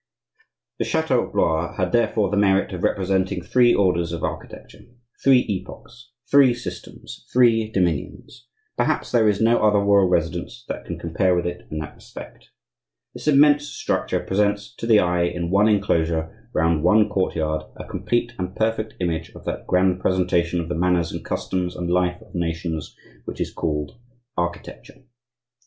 The chateau of Blois had, therefore, the merit of representing three orders of architecture, three epochs, three systems, three dominions. Perhaps there is no other royal residence that can compare with it in that respect. This immense structure presents to the eye in one enclosure, round one courtyard, a complete and perfect image of that grand presentation of the manners and customs and life of nations which is called Architecture.